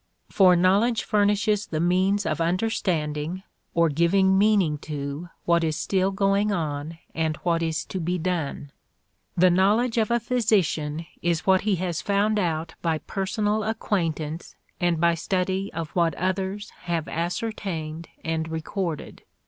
For knowledge furnishes the means of understanding or giving meaning to what is still going on and what is to be done. The knowledge of a physician is what he has found out by personal acquaintance and by study of what others have ascertained and recorded.